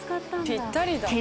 ぴったりだ。